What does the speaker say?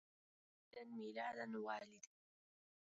اليوم عيد ميلاد والدي.